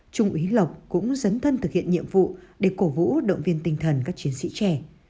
trung úy lộc cũng dấn thân thực hiện nhiệm vụ để cổ vũ động viên tinh thần các chiến sĩ trẻ